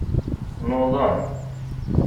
Nuḍen.